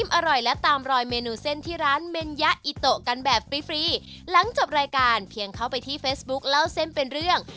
ก็ดัดได้ให้รับรายการแบบฟรีหลังจบรายการเพียงเข้าไปที่เฟซบุ๊กล่าวเส้นเป็นเรื่อง